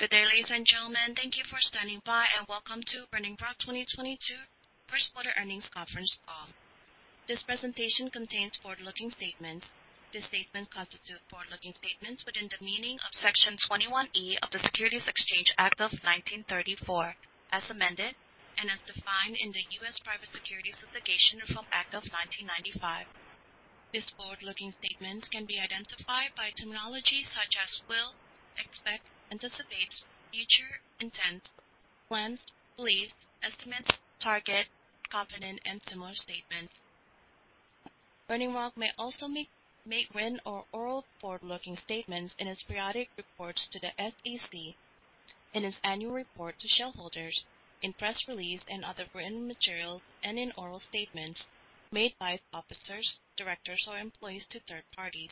Good day, ladies and gentlemen. Thank you for standing by, and welcome to Burning Rock 2022 Q1 earnings conference call. This presentation contains forward-looking statements. These statements constitute forward-looking statements within the meaning of Section 21E of the Securities Exchange Act of 1934, as amended, and as defined in the U.S. Private Securities Litigation Reform Act of 1995. These forward-looking statements can be identified by terminology such as will, expect, anticipate, future, intent, plans, believes, estimates, target, confident, and similar statements. Burning Rock may also make written or oral forward-looking statements in its periodic reports to the SEC, in its annual report to shareholders, in press releases and other written materials, and in oral statements made by its officers, directors or employees to third parties.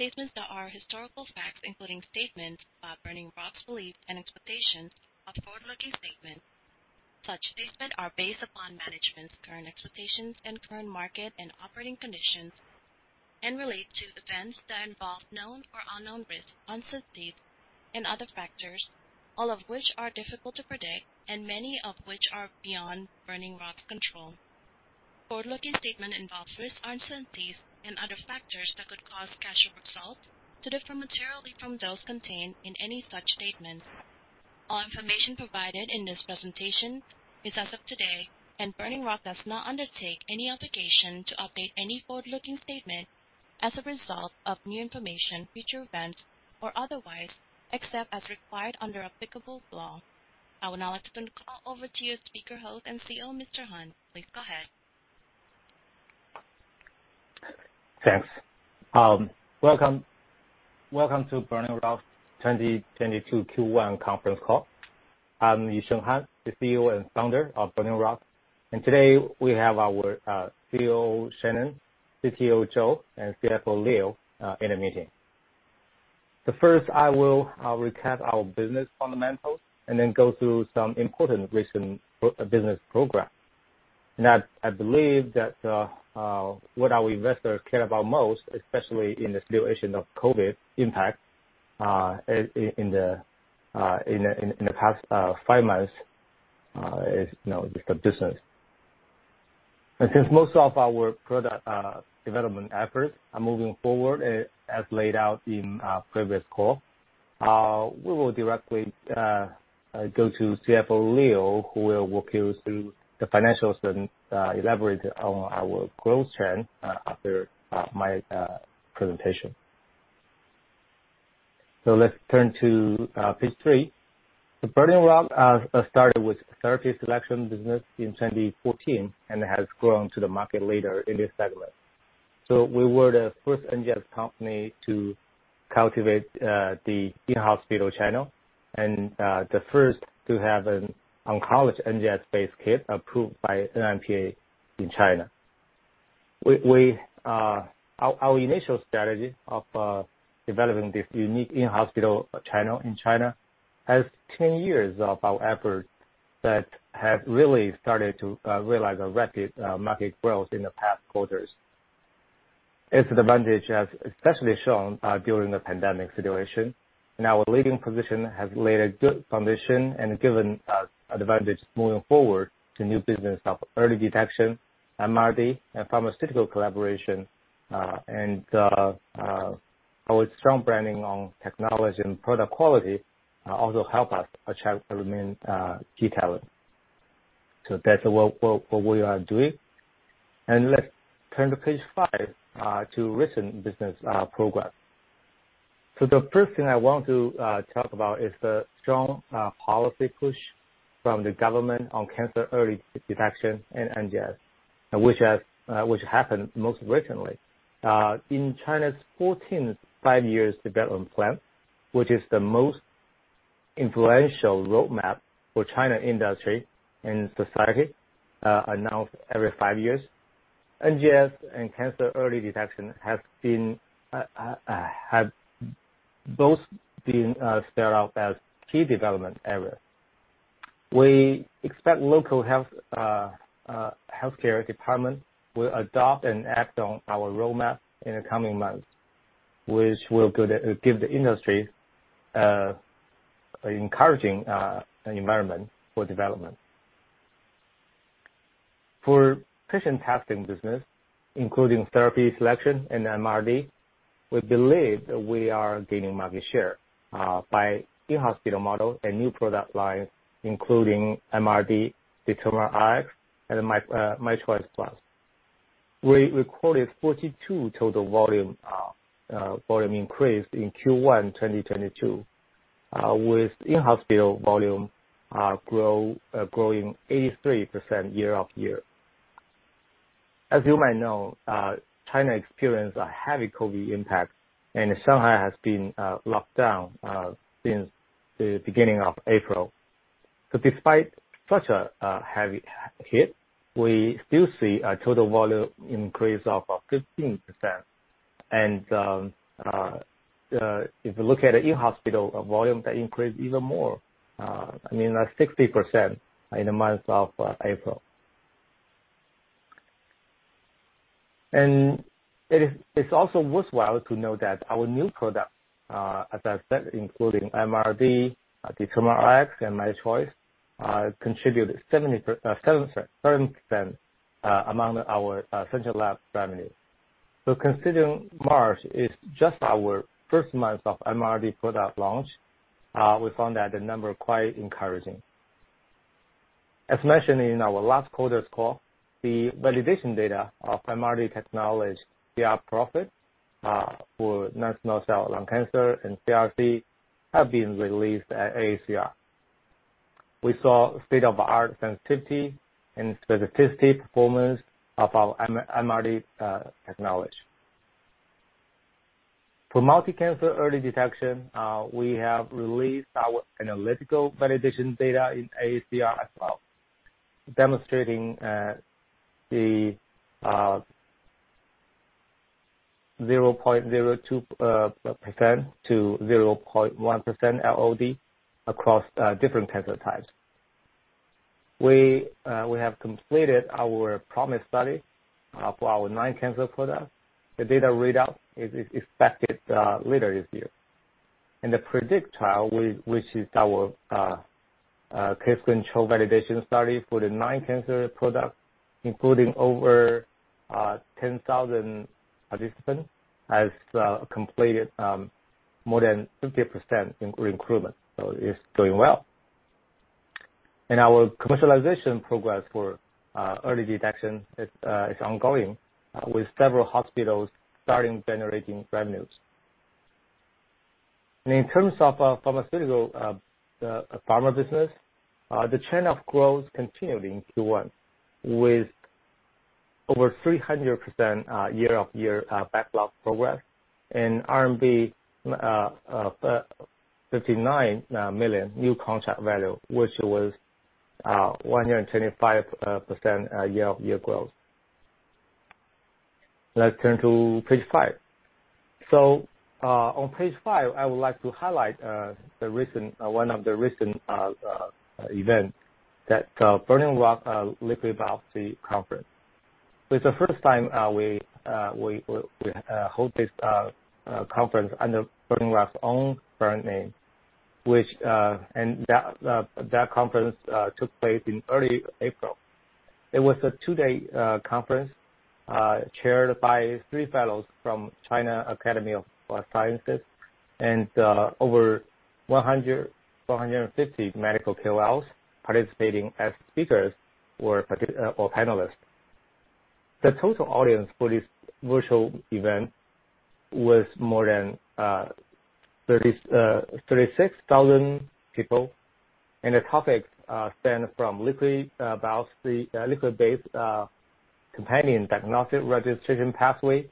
Statements that are historical facts, including statements about Burning Rock's beliefs and expectations, are forward-looking statements. Such statements are based upon management's current expectations and current market and operating conditions, and relate to events that involve known or unknown risks, uncertainties and other factors, all of which are difficult to predict and many of which are beyond Burning Rock's control. Forward-looking statements involve risks, uncertainties and other factors that could cause actual results to differ materially from those contained in any such statements. All information provided in this presentation is as of today, and Burning Rock does not undertake any obligation to update any forward-looking statement as a result of new information, future events or otherwise, except as required under applicable law. I would now like to turn the call over to your speaker host and CEO, Mr. Han. Please go ahead. Thanks. Welcome to Burning Rock's 2022 Q1 conference call. I'm Yusheng Han, the CEO and founder of Burning Rock, and today we have our COO, Shannon, CTO, Joe, and CFO, Leo, in the meeting. First, I will recap our business fundamentals and then go through some important recent business program. Now, I believe that what our investors care about most, especially in the situation of COVID impact in the past five months, is, you know, the business. Since most of our product development efforts are moving forward as laid out in our previous call, we will directly go to CFO Leo, who will walk you through the financials and elaborate on our growth trend after my presentation. Let's turn to page three. Burning Rock started with therapy selection business in 2014 and has grown to the market later in this segment. We were the first NGS company to cultivate the in-hospital channel and the first to have an oncology NGS-based kit approved by NMPA in China. Our initial strategy of developing this unique in-hospital channel in China has 10 years of our efforts that have really started to realize a rapid market growth in the past quarters. Its advantage has especially shown during the pandemic situation, and our leading position has laid a good foundation and given us advantage moving forward to new business of early detection, MRD, and pharmaceutical collaboration. Our strong branding on technology and product quality also help us attract and remain key talent. That's what we are doing. Let's turn to page five to recent business program. The first thing I want to talk about is the strong policy push from the government on cancer early detection and NGS, which happened most recently in China's 14th Five-Year Plan, which is the most influential roadmap for China's industry and society, announced every five years. NGS and cancer early detection have both been spelled out as key development areas. We expect local healthcare department will adopt and act on our roadmap in the coming months, which will give the industry encouraging environment for development. For patient testing business, including therapy selection and MRD, we believe we are gaining market share by in-hospital model and new product lines, including MRD, DetermaRx and myChoice+. We recorded 42% total volume increase in Q1 2022, with in-hospital volume growing 83% year-over-year. As you might know, China experienced a heavy COVID impact, and Shanghai has been locked down since the beginning of April. Despite such a heavy hit, we still see a total volume increase of 15%. If you look at the in-hospital volume, that increased even more, I mean, like 60% in the month of April. It's also worthwhile to know that our new product, as I said, including MRD, DetermaRx and myChoice, contributed 7% among our central lab revenue. Considering March is just our first month of MRD product launch, we found that the number quite encouraging. As mentioned in our last quarter's call, the validation data of MRD technology for non-small cell lung cancer and CRC have been released at AACR. We saw state-of-the-art sensitivity and specificity performance of our MRD technology. For multi-cancer early detection, we have released our analytical validation data in AACR as well, demonstrating the 0.02% to 0.1% LOD across different cancer types. We have completed our PROMISE study for our nine cancer products. The data readout is expected later this year. In the PREDICT trial, which is our case control validation study for the nine cancer products, including over 10,000 participants, has completed more than 50% enrollment. It's doing well. Our commercialization progress for early detection is ongoing with several hospitals starting generating revenues. In terms of pharmaceutical pharma business, the trend of growth continued in Q1, with over 300% year-over-year backlog progress and RMB 59 million new contract value, which was 125% year-over-year growth. Let's turn to page five. On page five, I would like to highlight one of the recent events that Burning Rock Liquid Biopsy Conference. It's the first time we hold this conference under Burning Rock's own brand name, and that conference took place in early April. It was a two-day conference, chaired by three fellows from Chinese Academy of Sciences and over 150 medical KOLs participating as speakers or panelists. The total audience for this virtual event was more than 36,000 people. The topics spanned from liquid biopsy, liquid-based companion diagnostic registration pathway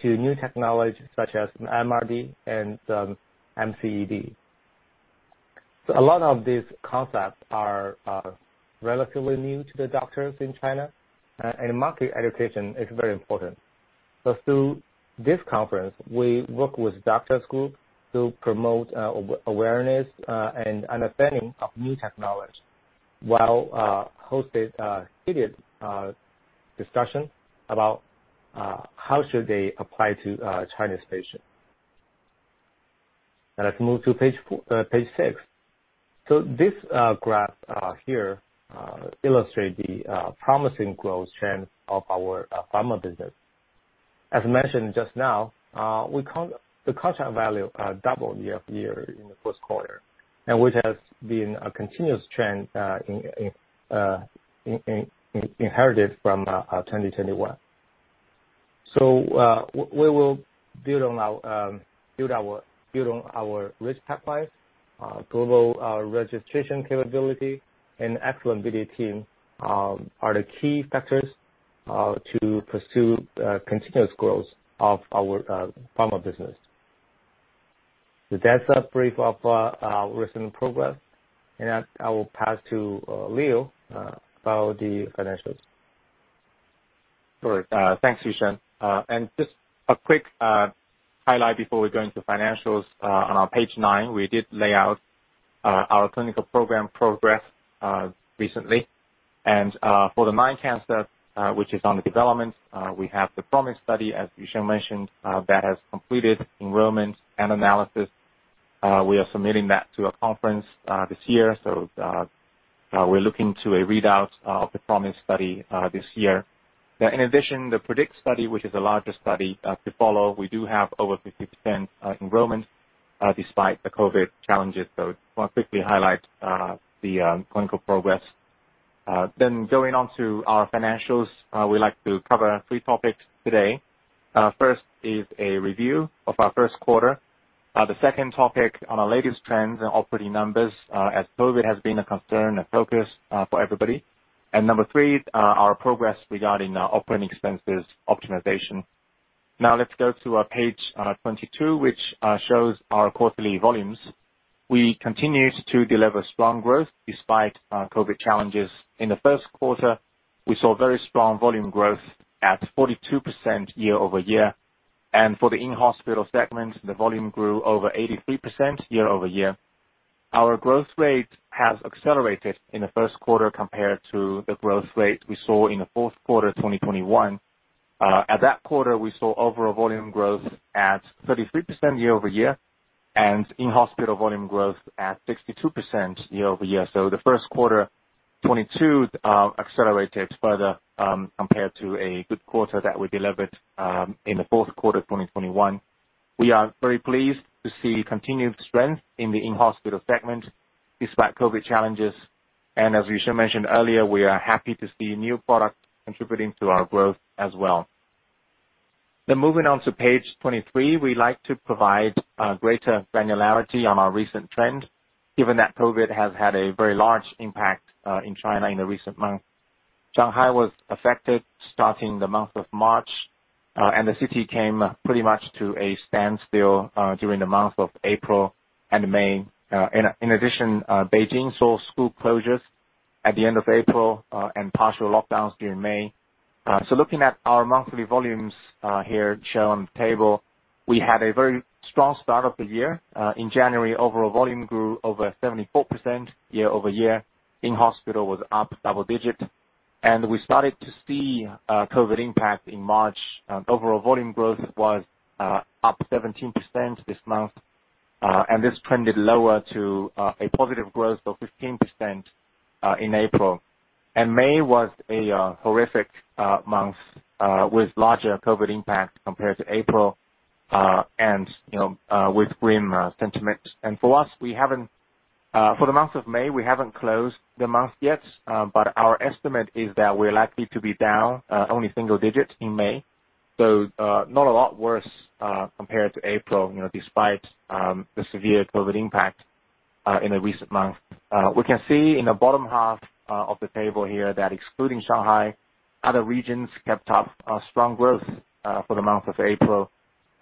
to new technology such as MRD and MCED. A lot of these concepts are relatively new to the doctors in China, and market education is very important. Through this conference, we work with doctors group to promote awareness and understanding of new technology, while hosting heated discussion about how should they apply to Chinese patients. Now let's move to page six. This graph here illustrates the promising growth trends of our pharma business. As mentioned just now, the contract value doubled year-over-year in the Q1, which has been a continuous trend inherited from 2021. We will build on our rich pipelines. Global registration capability and excellent BD team are the key factors to pursue continuous growth of our pharma business. That's a brief of our recent progress, and I will pass to Leo about the financials. Sure. Thanks, Yusheng. Just a quick highlight before we go into financials. On page nine, we did lay out our clinical program progress recently. For the nine cancer, which is under development, we have the PROMISE study, as Yusheng mentioned, that has completed enrollment and analysis. We are submitting that to a conference this year. We're looking to a readout of the PROMISE study this year. In addition, the PREDICT study, which is a larger study to follow, we do have over 50% enrollment despite the COVID challenges. Just wanna quickly highlight the clinical progress. Going on to our financials. We'd like to cover three topics today. First is a review of our Q1. The second topic on our latest trends and operating numbers, as COVID has been a concern, a focus, for everybody. Number three, our progress regarding our operating expenses optimization. Now let's go to page 22, which shows our quarterly volumes. We continued to deliver strong growth despite COVID challenges. In the Q1, we saw very strong volume growth at 42% year-over-year. For the in-hospital segment, the volume grew over 83% year-over-year. Our growth rate has accelerated in the Q1 compared to the growth rate we saw in the Q4 of 2021. At that quarter, we saw overall volume growth at 33% year-over-year and in-hospital volume growth at 62% year-over-year. The Q1 2022 accelerated further, compared to a good quarter that we delivered in the Q4 of 2021. We are very pleased to see continued strength in the in-hospital segment despite COVID challenges. As Yusheng Han mentioned earlier, we are happy to see new products contributing to our growth as well. Moving on to page 23. We like to provide greater granularity on our recent trend, given that COVID has had a very large impact in China in the recent months. Shanghai was affected starting the month of March, and the city came pretty much to a standstill during the month of April and May. In addition, Beijing saw school closures at the end of April, and partial lockdowns during May. So looking at our monthly volumes, here shown on the table, we had a very strong start of the year. In January, overall volume grew over 74% year-over-year. In-hospital was up double-digit, and we started to see COVID impact in March. Overall volume growth was up 17% this month, and this trended lower to a positive growth of 15% in April. May was a horrific month with larger COVID impact compared to April, and you know, with grim sentiment. For us, for the month of May, we haven't closed the month yet, but our estimate is that we're likely to be down only single-digit in May. Not a lot worse compared to April, you know, despite the severe COVID impact in the recent months. We can see in the bottom half of the table here that excluding Shanghai, other regions kept up strong growth for the month of April.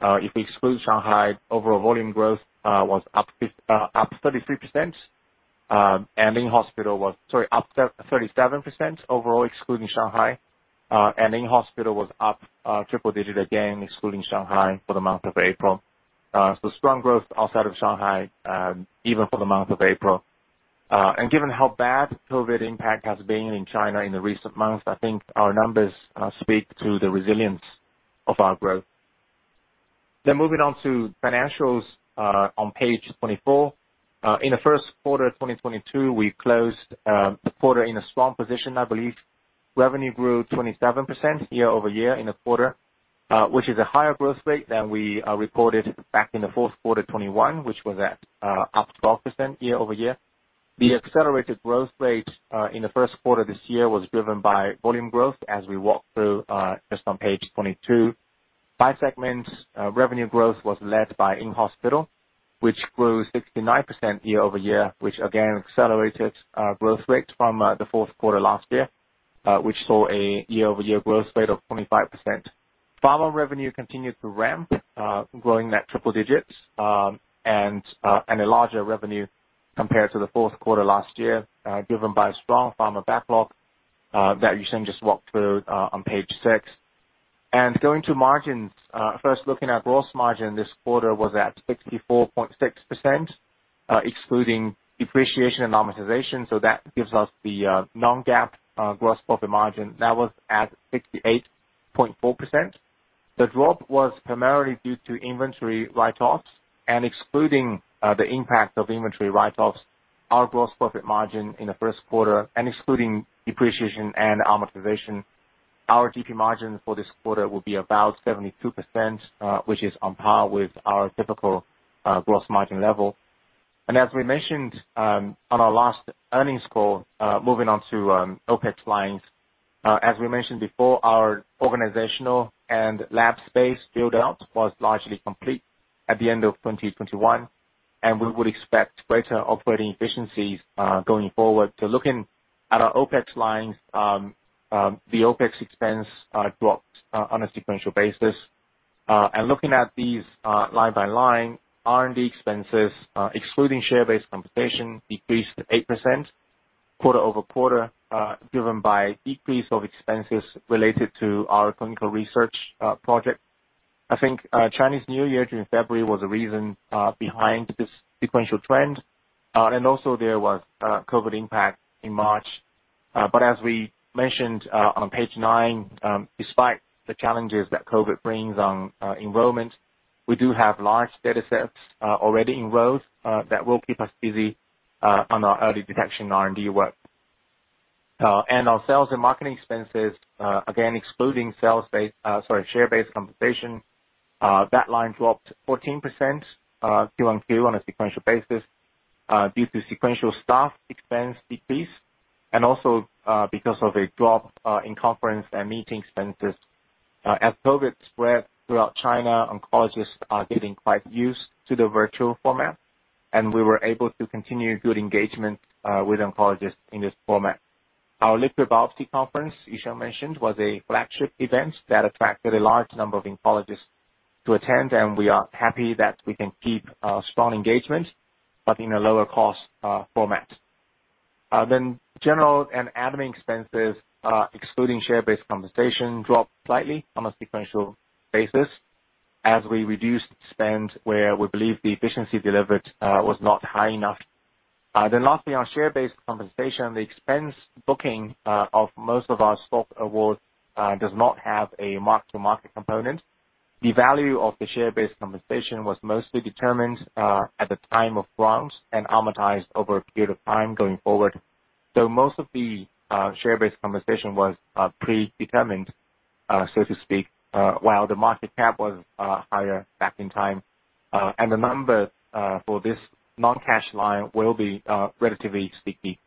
If we exclude Shanghai, overall volume growth was up 33%, and in-hospital was up 37% overall, excluding Shanghai. In-hospital was up triple digits again, excluding Shanghai for the month of April. Strong growth outside of Shanghai even for the month of April. Given how bad COVID impact has been in China in the recent months, I think our numbers speak to the resilience of our growth. Moving on to financials on page 24. In the Q1 of 2022, we closed the quarter in a strong position, I believe. Revenue grew 27% year-over-year in the quarter, which is a higher growth rate than we reported back in the Q4 2021, which was up 12% year-over-year. The accelerated growth rate in the Q1 this year was driven by volume growth as we walked through just on page 22. By segment, revenue growth was led by in-hospital, which grew 69% year-over-year, which again accelerated growth rate from the Q4 last year, which saw a year-over-year growth rate of 25%. Pharma revenue continued to ramp, growing at triple digits, and a larger revenue compared to the Q4 last year, driven by strong pharma backlog that Yusheng Han just walked through on page six. Going to margins, first looking at gross margin this quarter was at 64.6%, excluding depreciation and amortization, so that gives us the non-GAAP gross profit margin. That was at 68.4%. The drop was primarily due to inventory write-offs. Excluding the impact of inventory write-offs, our gross profit margin in the Q1 and excluding depreciation and amortization, our GP margin for this quarter will be about 72%, which is on par with our typical gross margin level. As we mentioned on our last earnings call, moving on to OpEx lines. As we mentioned before, our organizational and lab space build-out was largely complete at the end of 2021, and we would expect greater operating efficiencies going forward. Looking at our OpEx lines, the OpEx expense dropped on a sequential basis. Looking at these line by line, R&D expenses, excluding share-based compensation, decreased 8% QoQ, driven by decrease of expenses related to our clinical research project. I think Chinese New Year during February was the reason behind this sequential trend. There was also COVID impact in March. As we mentioned on page nine, despite the challenges that COVID brings on enrollment, we do have large datasets already enrolled that will keep us busy on our early detection R&D work. Our sales and marketing expenses, again, excluding share-based compensation, that line dropped 14% QoQ on a sequential basis due to sequential staff expense decrease and also because of a drop in conference and meeting expenses. As COVID spread throughout China, oncologists are getting quite used to the virtual format, and we were able to continue good engagement with oncologists in this format. Our Liquid Biopsy Conference, Yusheng Han mentioned, was a flagship event that attracted a large number of oncologists to attend, and we are happy that we can keep strong engagement but in a lower cost format. General and administrative expenses, excluding share-based compensation dropped slightly on a sequential basis as we reduced spend where we believe the efficiency delivered was not high enough. Lastly, on share-based compensation, the expense booking of most of our stock awards does not have a mark-to-market component. The value of the share-based compensation was mostly determined at the time of grant and amortized over a period of time going forward. Most of the share-based compensation was predetermined, so to speak, while the market cap was higher back in time, and the number for this non-cash line will be relatively sticky.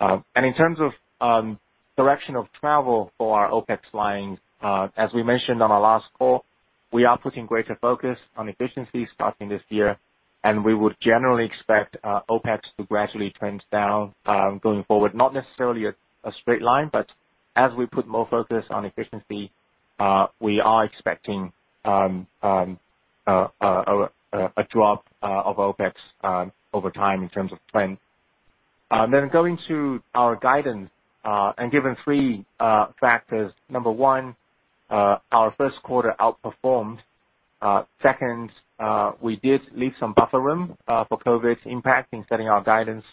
In terms of direction of travel for our OpEx lines, as we mentioned on our last call, we are putting greater focus on efficiency starting this year, and we would generally expect OpEx to gradually trend down going forward. Not necessarily a straight line, but as we put more focus on efficiency, we are expecting a drop of OpEx over time in terms of trend. Going to our guidance and given three factors. Number one, our Q1 outperformed. Second, we did leave some buffer room for COVID's impact in setting our guidance.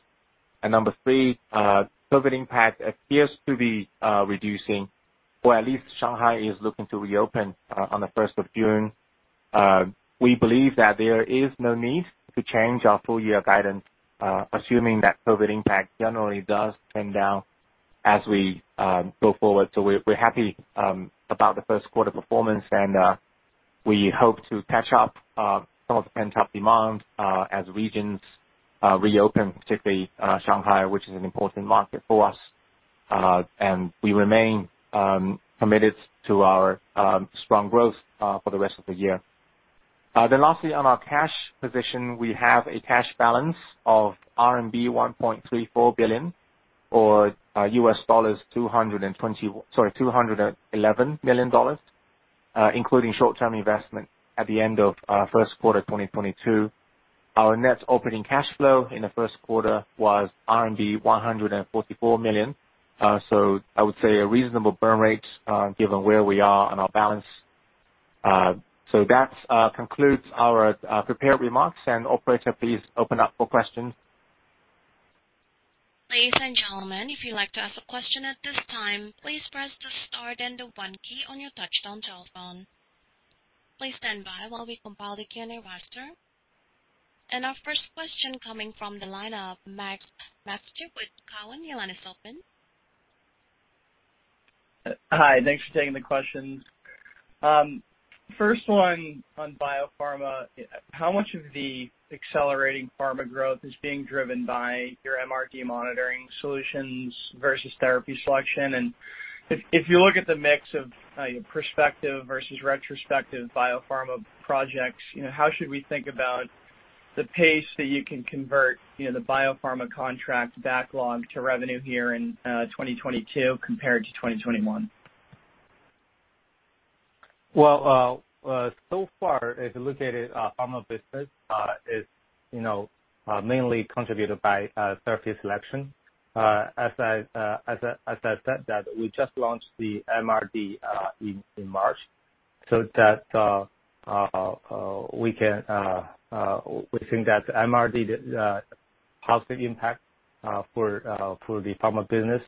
Number three, COVID impact appears to be reducing, or at least Shanghai is looking to reopen on the first of June. We believe that there is no need to change our full year guidance, assuming that COVID impact generally does trend down as we go forward. We're happy about the Q1 performance and we hope to catch up some of the pent-up demand as regions reopen, particularly Shanghai, which is an important market for us. We remain committed to our strong growth for the rest of the year. Lastly, on our cash position, we have a cash balance of RMB 1.34 billion or $220... Sorry, $211 million, including short-term investment at the end of Q1 2022. Our net operating cash flow in the Q1 was RMB 144 million. So, I would say a reasonable burn rate, given where we are on our balance. So that concludes our prepared remarks. Operator, please open up for questions. Ladies and gentlemen, if you'd like to ask a question at this time, please press the star then the one key on your touchtone telephone. Please stand by while we compile the Q&A roster. Our first question coming from the line of Max Masucci with Cowen. Your line is open. Hi. Thanks for taking the questions. First one on biopharma. How much of the accelerating pharma growth is being driven by your MRD monitoring solutions versus therapy selection? And if you look at the mix of your prospective versus retrospective biopharma projects, you know, how should we think about the pace that you can convert, you know, the biopharma contract backlog to revenue here in 2022 compared to 2021? So far, as you look at it, our pharma business is, you know, mainly contributed by therapy selection. As I said that we just launched the MRD in March. We think that MRD positive impact for the pharma business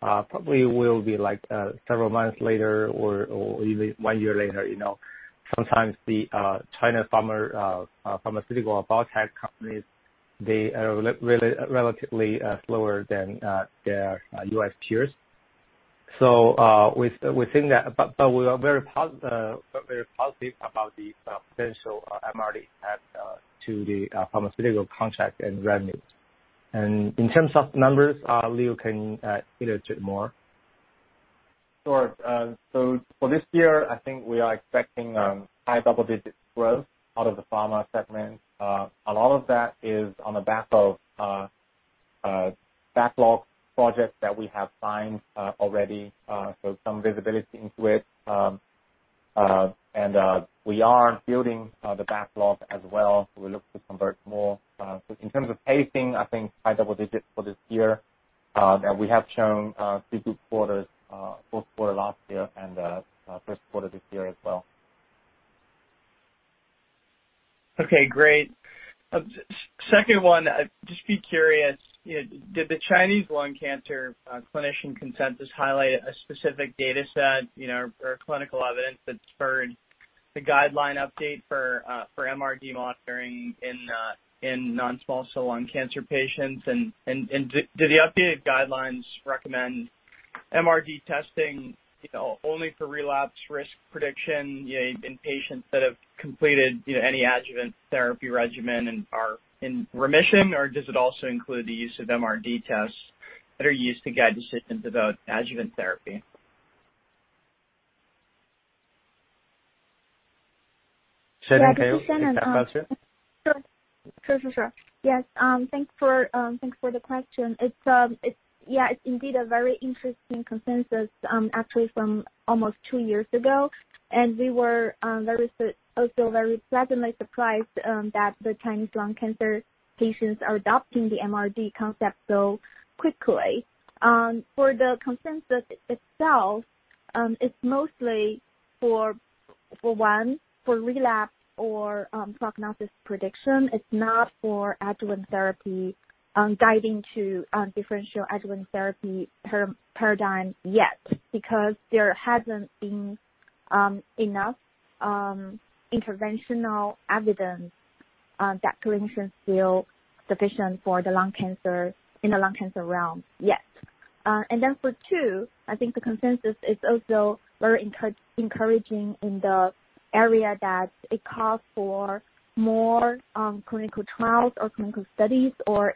probably will be like several months later or even one year later, you know. Sometimes the China pharma pharmaceutical or biotech companies, they are relatively slower than their US peers. We think that we are very positive about the potential MRD has to the pharmaceutical contract and revenues. In terms of numbers, Leo can elaborate more. Sure. For this year, I think we are expecting high double-digit growth out of the pharma segment. A lot of that is on the back of backlog projects that we have signed already, so some visibility into it. We are building the backlog as well, so we look to convert more. In terms of pacing, I think high double digits for this year that we have shown three good quarters, Q4 last year and Q1 this year as well. Okay, great. Second one, just curious. You know, did the Chinese lung cancer clinician consensus highlight a specific data set, you know, or clinical evidence that spurred the guideline update for MRD monitoring in non-small cell lung cancer patients? Did the updated guidelines recommend MRD testing, you know, only for relapse risk prediction in patients that have completed, you know, any adjuvant therapy regimen and are in remission? Does it also include the use of MRD tests that are used to guide decisions about adjuvant therapy? Shannon, can you? Yeah. This is Shannon. talk about it? Sure. Yes. Thanks for the question. It's Yeah, it's indeed a very interesting consensus, actually from almost two years ago. We were also very pleasantly surprised that the Chinese lung cancer patients are adopting the MRD concept so quickly. For the consensus itself, it's mostly for one, for relapse or prognosis prediction. It's not for adjuvant therapy guiding to differentiate adjuvant therapy paradigm yet, because there hasn't been enough interventional evidence that clinicians feel sufficient for the lung cancer in the lung cancer realm yet. For two, I think the consensus is also very encouraging in the area that it calls for more clinical trials or clinical studies or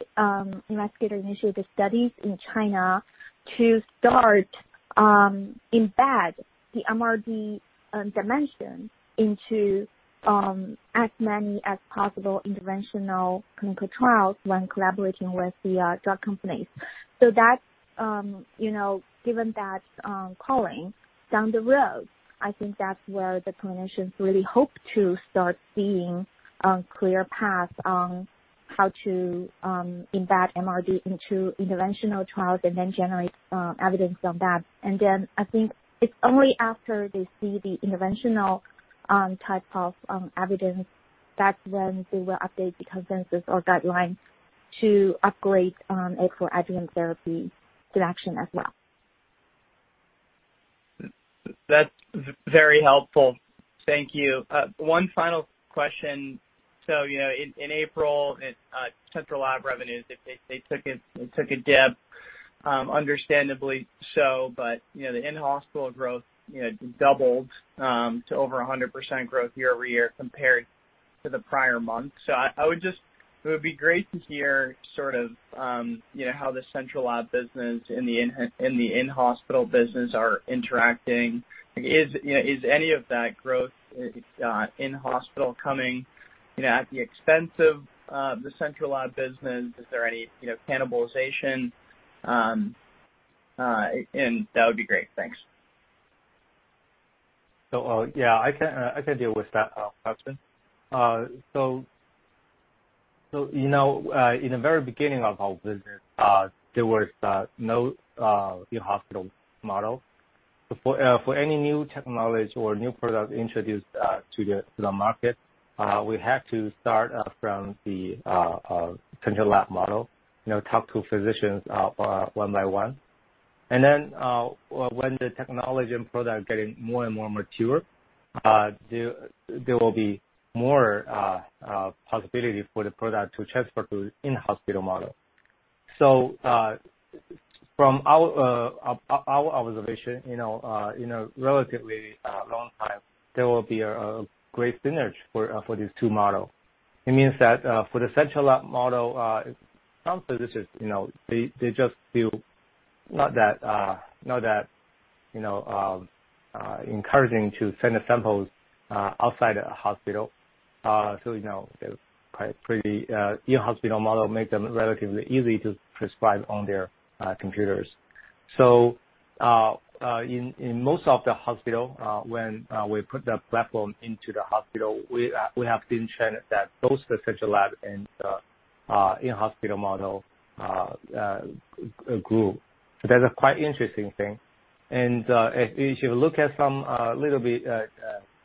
investigator-initiated studies in China to start embed the MRD dimension into as many as possible interventional clinical trials when collaborating with the drug companies. You know, given that, down the road, I think that's where the clinicians really hope to start seeing a clear path on how to embed MRD into interventional trials and then generate evidence on that. I think it's only after they see the interventional type of evidence, that's when they will update the consensus or guidelines to upgrade it for adjuvant therapy direction as well. That's very helpful. Thank you. One final question. You know, in April, it, central lab revenues, they took a dip, understandably so, but, you know, the in-hospital growth, you know, doubled to over 100% growth year-over-year compared to the prior month. I would just. It would be great to hear sort of, you know, how the central lab business and the in-hospital business are interacting. Is, you know, any of that growth, in-hospital coming, you know, at the expense of, the central lab business? Is there any, you know, cannibalization, and that would be great. Thanks. Yeah, I can deal with that question. You know, in the very beginning of our business, there was no in-hospital model. For any new technology or new product introduced to the market, we have to start from the central lab model, you know, talk to physicians one by one. When the technology and product getting more and more mature, there will be more possibility for the product to transfer to in-hospital model. From our observation, you know, in a relatively long time, there will be a great synergy for these two model. It means that for the central lab model, some physicians, you know, they just feel not that encouraging to send the samples outside the hospital. You know, the quite preferred in-hospital model make them relatively easy to prescribe on their computers. In most of the hospitals, when we put the platform into the hospital, we have found that both the central lab and the in-hospital model grew. That's a quite interesting thing. If you look at a little bit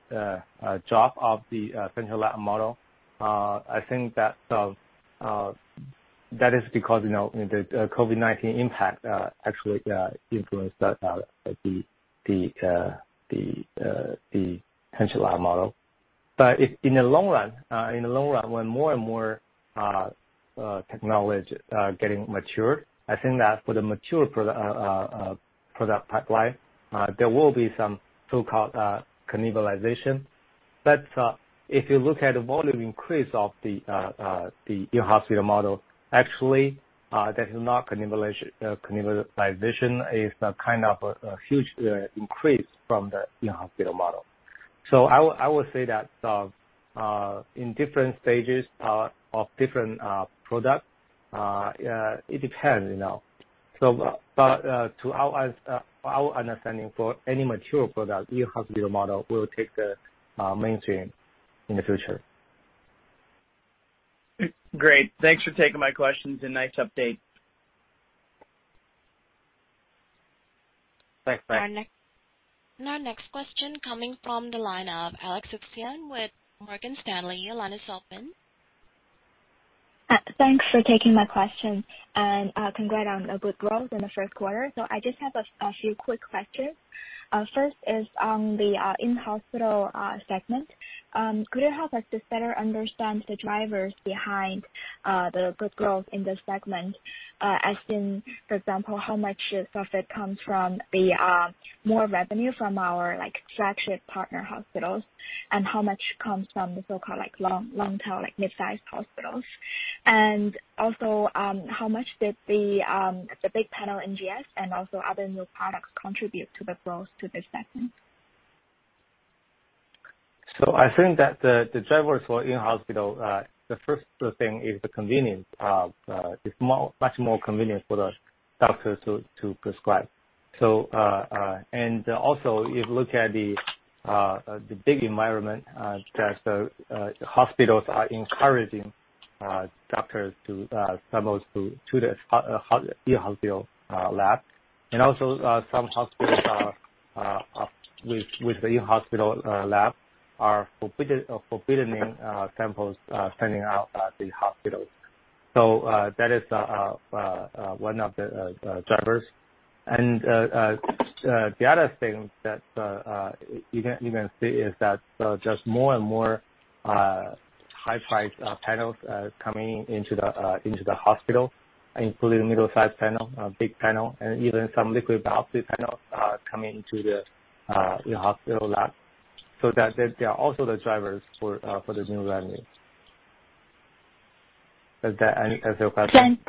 drop in the central lab model, I think that is because, you know, the COVID-19 impact actually influenced the central lab model. In the long run, when more and more technology getting mature, I think that for the mature product pipeline, there will be some so-called cannibalization. If you look at the volume increase of the in-hospital model, actually, there is no cannibalization is a kind of a huge increase from the in-hospital model. I would say that in different stages of different product it depends, you know. To our understanding for any mature product, in-hospital model will take the mainstream in the future. Great. Thanks for taking my questions and nice update. Thanks. Bye. Our next Our next question coming from the line of Alexis Yan with Morgan Stanley. Your line is open. Thanks for taking my question, and congrats on a good growth in the Q1. I just have a few quick questions. First is on the in-hospital segment. Could you help us better understand the drivers behind the good growth in this segment? As in, for example, how much of it comes from the more revenue from our, like, flagship partner hospitals, and how much comes from the so-called, like, long-tail, like, midsize hospitals? And also, how much did the big panel NGS and also other new products contribute to the growth to this segment? I think that the drivers for in-hospital, the first thing is the convenience. It's much more convenient for the doctor to prescribe. If you look at the big environment, the hospitals are encouraging doctors to send samples to the in-hospital lab. Some hospitals with the in-hospital lab are forbidding sending samples out of the hospitals. That is one of the drivers. The other thing that you can see is that just more and more high price panels coming into the hospital, including middle-sized panel, big panel, and even some liquid biopsy panel coming into the hospital lab. That they are also the drivers for the new revenue. Is there a question?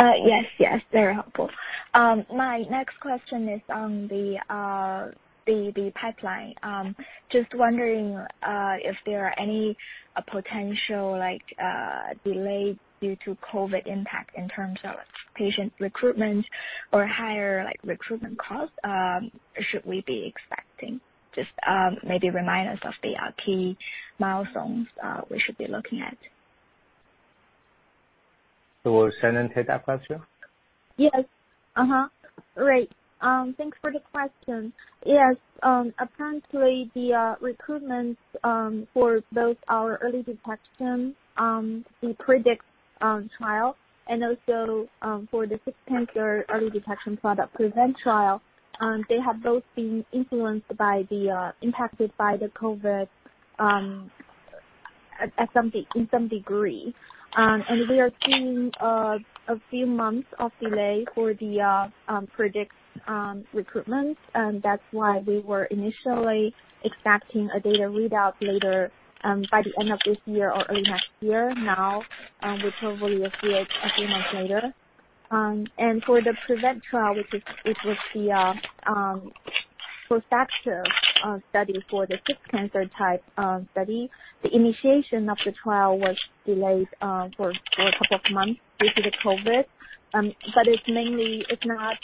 Yes, yes, very helpful. My next question is on the pipeline. Just wondering if there are any potential like delay due to COVID impact in terms of patient recruitment or higher like recruitment cost, should we be expecting? Just maybe remind us of the key milestones we should be looking at. Will Shannon take that question? Yes. Uh-huh. Great. Thanks for the question. Yes, apparently the recruitments for both our early detection the PREDICT trial and also for the sixth cancer early detection product PREVENT trial, they have both been impacted by the COVID in some degree. We are seeing a few months of delay for the PREDICT recruitment. That's why we were initially expecting a data readout later by the end of this year or early next year. Now, we probably will see it a few months later. For the PREVENT trial, which was the prospective study for the sixth cancer type study, the initiation of the trial was delayed for a couple of months due to the COVID. It's mainly, it's not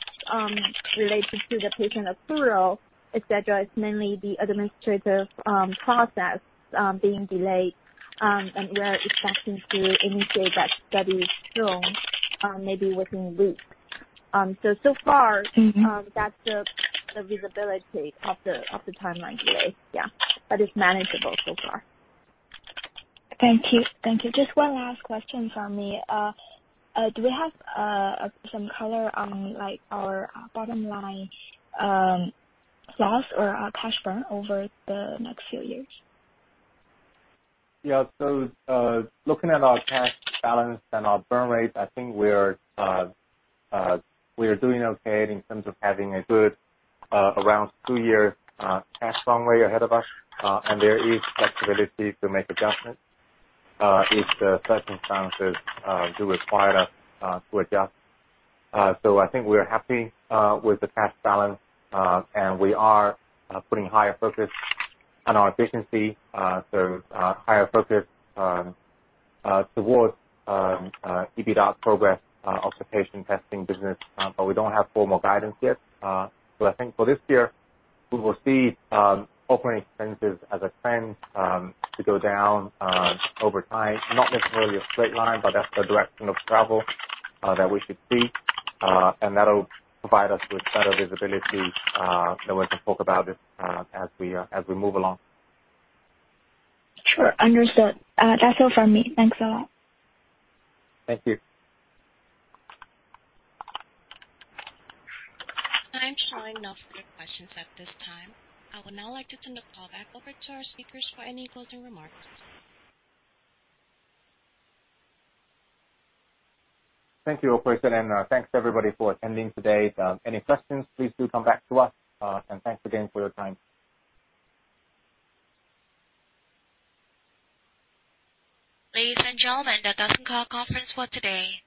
related to the patient approval, et cetera, it's mainly the administrative process being delayed. We're expecting to initiate that study soon, maybe within weeks. So far, that's the visibility of the timeline delay. Yeah. It's manageable so far. Thank you. Thank you. Just one last question from me. Do we have some color on like our bottom-line loss or our cash burn over the next few years? Yeah. Looking at our cash balance and our burn rate, I think we are doing okay in terms of having a good around two years cash runway ahead of us. There is flexibility to make adjustments if the circumstances do require us to adjust. I think we are happy with the cash balance, and we are putting higher focus on our efficiency, higher focus towards EBITDA progress, also patient testing business, but we don't have formal guidance yet. I think for this year, we will see operating expenses as a trend to go down over time. Not necessarily a straight line, but that's the direction of travel that we should see. That'll provide us with better visibility, so we can talk about it as we move along. Sure. Understood. That's all from me. Thanks a lot. Thank you. I'm showing no further questions at this time. I would now like to turn the call back over to our speakers for any closing remarks. Thank you, operator. Thanks everybody for attending today. Any questions, please do come back to us. Thanks again for your time. Ladies and gentlemen, that does end the conference call for today.